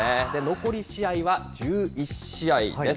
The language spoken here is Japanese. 残り試合は１１試合です。